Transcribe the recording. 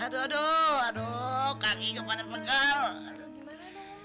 aduh aduh aduh kaki gua pada pegel